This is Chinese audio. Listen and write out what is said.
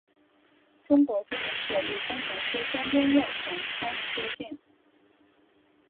中国著名铁路工程师詹天佑曾参与修建。